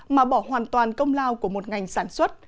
mà bỏ hoàn toàn công lao của một ngành sản xuất